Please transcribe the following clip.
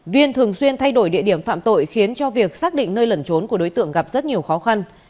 viên thường xuyên thay đổi địa điểm phạm tội khiến cho việc xác định nơi lẩn trốn của đối tượng gặp rất nhiều khó khăn